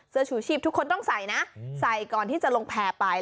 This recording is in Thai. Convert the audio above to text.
ชูชีพทุกคนต้องใส่นะใส่ก่อนที่จะลงแพร่ไป